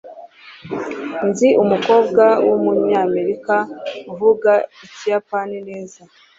Nzi umukobwa wumunyamerika uvuga Ikiyapani neza.